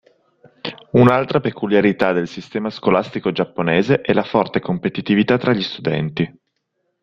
Un'altra peculiarità del sistema scolastico giapponese è la forte competitività tra gli studenti.